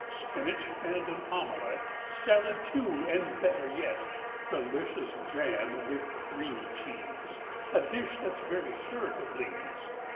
Spinach and an omelette, Salad, too, and better yet Delicious jam with creamy cheese— A dish that's very sure to please!